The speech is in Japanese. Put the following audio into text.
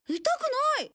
痛くない！